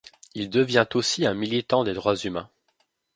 Il devient aussi un militant des droits humains.